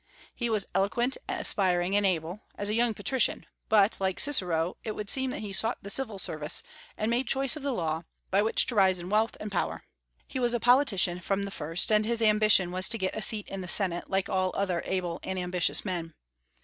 He was eloquent, aspiring, and able, as a young patrician; but, like Cicero, it would seem that he sought the civil service, and made choice of the law, by which to rise in wealth and power. He was a politician from the first; and his ambition was to get a seat in the Senate, like all other able and ambitious men.